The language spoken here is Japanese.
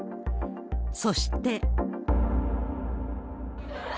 そして。